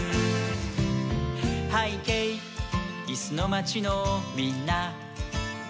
「はいけいいすのまちのみんな」